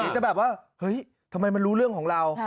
จะแบบว่าเฮ้ยทำไมมันรู้เรื่องของเรา